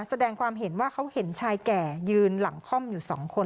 แสดงความเห็นว่าเขาเห็นชายแก่ยืนหลังคล่อมอยู่สองคน